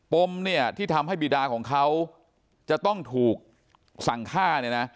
ปมที่ทำให้บีดาของเขาจะต้องถูกสั่งค่า